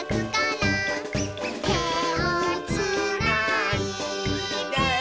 「てをつないで」